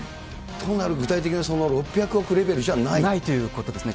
となると、具体的に６００億ないということですね。